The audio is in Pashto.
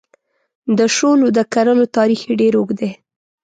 د شولو د کرلو تاریخ یې ډېر اوږد دی.